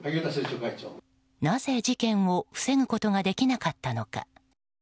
なぜ事件を防ぐことができなかったのか。